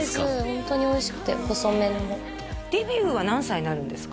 ホントにおいしくて細麺でデビューは何歳になるんですか？